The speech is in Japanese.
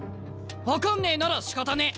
分かんねえならしかたねえ。